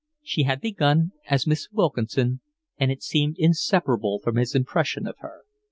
She had begun as Miss Wilkinson, and it seemed inseparable from his impression of her.